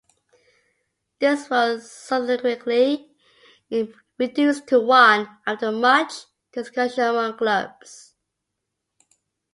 This was subsequently reduced to one, after much discussion among clubs.